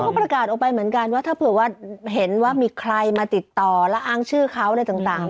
เขาประกาศออกไปเหมือนกันว่าถ้าเผื่อว่าเห็นว่ามีใครมาติดต่อและอ้างชื่อเขาอะไรต่าง